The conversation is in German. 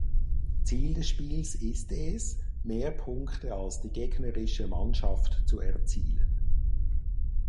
Ziel des Spiels ist es, mehr Punkte als die gegnerische Mannschaft zu erzielen.